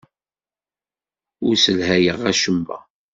Ur sselhayeɣ acemma.